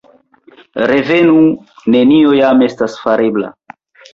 Revenu, nenio jam estas farebla!